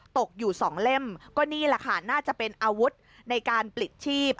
ตกอยู่สองเล่มก็นี่แหละค่ะน่าจะเป็นอาวุธในการปลิดชีพ